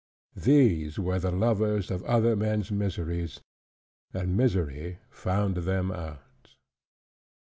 These were the lovers of other men's miseries: and misery found them out.